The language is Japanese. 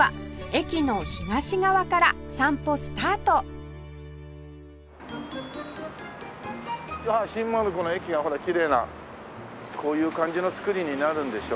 駅の東側から散歩スタートああ新丸子の駅がほらきれいなこういう感じの造りになるんでしょうね。